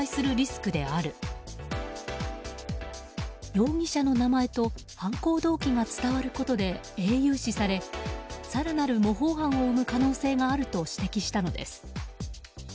容疑者の名前と犯行動機が伝わることで英雄視され更なる模倣犯を生む可能性があると指摘したのです。